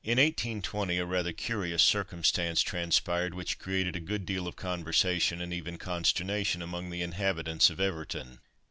In 1820, a rather curious circumstance transpired, which created a good deal of conversation, and even consternation amongst the inhabitants of Everton.